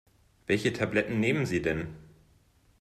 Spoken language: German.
Welche Tabletten nehmen Sie denn?